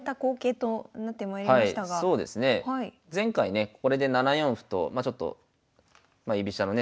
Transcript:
前回ねこれで７四歩とまあちょっとまあ居飛車のね